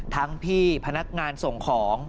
พี่พนักงานส่งของ